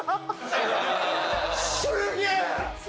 すげえ！